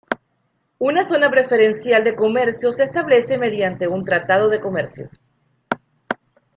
Una zona preferencial de comercio se establece mediante un tratado de comercio.